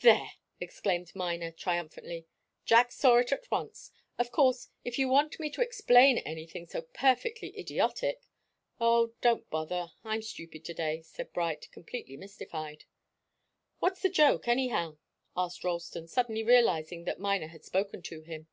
"There!" exclaimed Miner, triumphantly. "Jack saw it at once. Of course, if you want me to explain anything so perfectly idiotic " "Oh, don't bother, I'm stupid to day," said Bright, completely mystified. "What's the joke, anyhow?" asked Ralston, suddenly realizing that Miner had spoken to him.